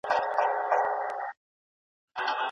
آيا نن ورځ هم دا نظريې صدق کوي؟